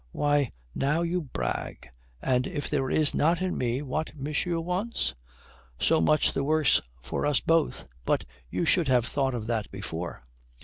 "Why, now you brag! And if there is not in me what monsieur wants?" "So much the worse for us both. But you should have thought of that before."